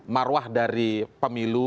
marwah dari pemilu